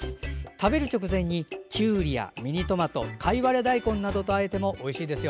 食べる直前にきゅうりやミニトマトカイワレ大根などとあえてもおいしいですよ。